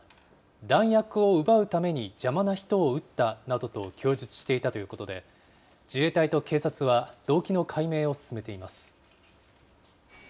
弾薬を奪うために邪魔な人を撃ったなどと供述していたということで、自衛隊と警察は、動機の解明を進めています。